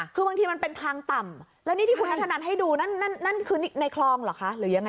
คือบางทีมันเป็นทางต่ำแล้วนี่ที่คุณนัทธนันให้ดูนั่นนั่นคือในคลองเหรอคะหรือยังไง